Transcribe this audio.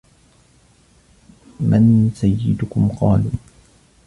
مَنْ سَيِّدكُمْ ؟ قَالُوا